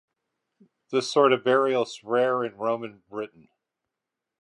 This sort of burial is rare in Roman Britain.